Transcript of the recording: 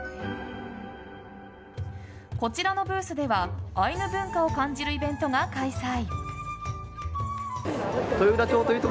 こちらのブースではアイヌ文化を感じるイベントが開催。